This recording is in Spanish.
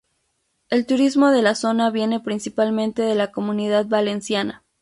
El turismo de la zona viene principalmente de la Comunidad Valenciana.